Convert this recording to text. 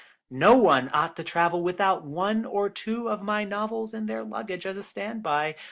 No one ought to travel without one or two of my novels in their luggage as a stand by.